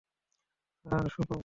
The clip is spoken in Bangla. স্যার, সুপ্রভাত।